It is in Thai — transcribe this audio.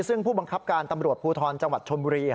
ซึ่งผู้บังคับการตำรวจภูทรจังหวัดชนบุรี